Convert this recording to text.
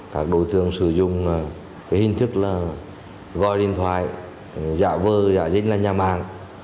các đối tượng sử dụng hình thức là gọi điện thoại dạ vơ dạ dích là nhà mang